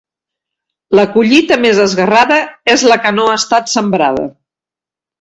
La collita més esguerrada és la que no ha estat sembrada.